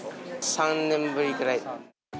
３年ぶりくらい。